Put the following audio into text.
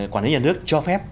quản lý nhà nước cho phép